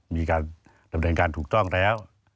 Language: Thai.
มีการดำเนินการถูกต้องแล้ว